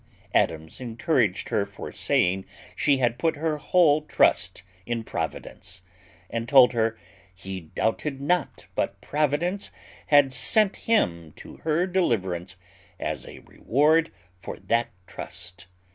Adams encouraged her for saying she had put her whole trust in Providence, and told her, "He doubted not but Providence had sent him to her deliverance, as a reward for that trust.